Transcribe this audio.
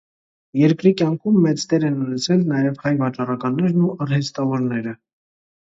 Երկրի կյանքում մեծ դեր են ունեցել նաև հայ վաճառականներն ու արհեստավորները։